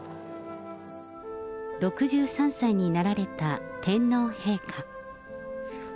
６３歳になられた天皇陛下。